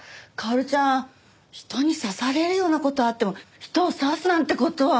薫ちゃん人に刺されるような事あっても人を刺すなんて事は。